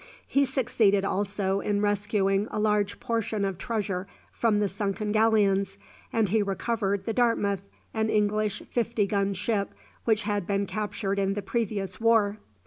He succeeded also in rescuing a large portion of treasure from the sunken galleons, and he recovered the "Dartmouth," an English fifty gun ship which had been captured in the previous war.